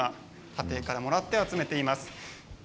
家庭からもらって、集めています。